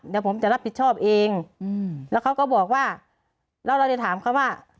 เดี๋ยวผมจะรับผิดชอบเองอืมแล้วเขาก็บอกว่าแล้วเราจะถามเขาว่า